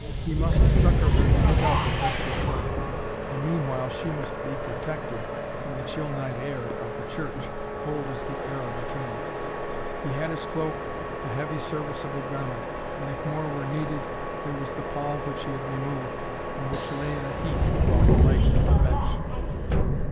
He must succour her himself as best he could, and meanwhile she must be protected from the chill night air of the church, cold as the air of a tomb. He had his cloak, a heavy serviceable garment, and, if more were needed, there was the pall which he had removed, and which lay in a heap about the legs of the bench.